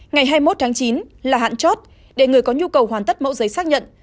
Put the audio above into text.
ngày hai mươi một tháng chín là hạn chót để người có nhu cầu hoàn tất mẫu giấy xác nhận